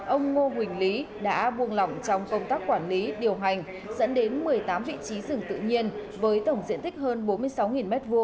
ông ngô huỳnh lý đã buông lỏng trong công tác quản lý điều hành dẫn đến một mươi tám vị trí rừng tự nhiên với tổng diện tích hơn bốn mươi sáu m hai